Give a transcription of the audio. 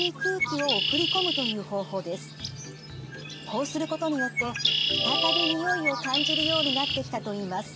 こうすることによって再び匂いを感じるようになってきたといいます。